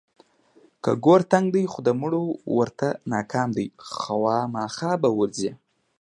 که ګور تنګ دی خو د مړو ورته ناکام دی، خوامخا به ورځي.